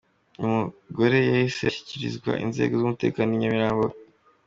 Uyu mugore yahise ashyikirizwa inzego z’umutekano i Nyamirambo.